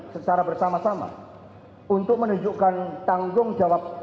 secara bersama sama untuk menunjukkan tanggungjawab